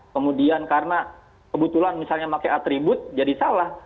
kemudian karena kebetulan misalnya pakai atribut jadi salah